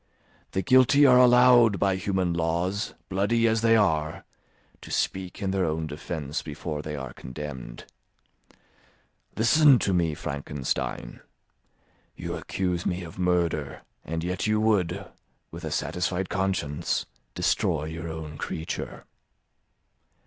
The guilty are allowed, by human laws, bloody as they are, to speak in their own defence before they are condemned. Listen to me, Frankenstein. You accuse me of murder, and yet you would, with a satisfied conscience, destroy your own creature.